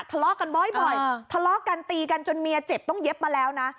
ทะเลาะกันบ่อยทะเลาะกันตีกันจนเมียเจ็บต้องเย็บมาแล้วนะ